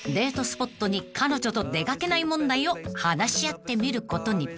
スポットに彼女と出掛けない問題を話し合ってみることに］